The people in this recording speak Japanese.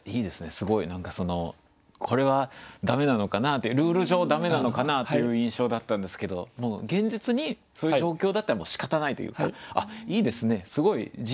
すごいこれは駄目なのかなというルール上駄目なのかなという印象だったんですけど現実にそういう状況だったらしかたないというかいいですねすごい自由ですね。